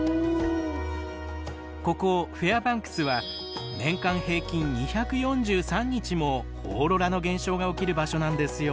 ここフェアバンクスは年間平均２４３日もオーロラの現象が起きる場所なんですよ。